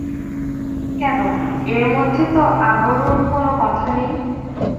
কেন, এর মধ্যে তো আবরুর কোনো কথা নেই।